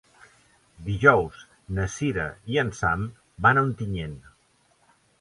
Dijous na Cira i en Sam van a Ontinyent.